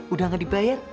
udah gak dibayar